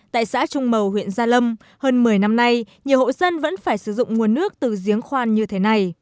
tại xã trung mầu huyện gia lâm hơn một mươi năm nay nhiều hộ dân vẫn phải sử dụng nguồn nước từ giếng khoan như thế này